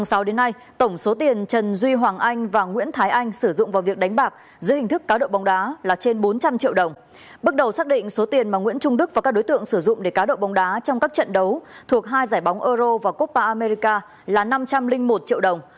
các đối tượng sử dụng để cá độ bóng đá là trên bốn trăm linh triệu đồng bước đầu xác định số tiền mà nguyễn trung đức và các đối tượng sử dụng để cá độ bóng đá trong các trận đấu thuộc hai giải bóng euro và copa america là năm trăm linh một triệu đồng